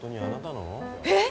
えっ！？